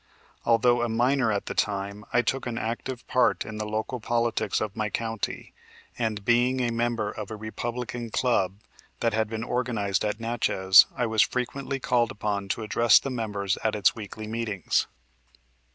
Although a minor at that time, I took an active part in the local politics of my county, and, being a member of a Republican club that had been organized at Natchez, I was frequently called upon to address the members at its weekly meetings.